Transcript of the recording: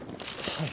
はい。